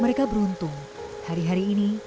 mereka beruntung hari hari ini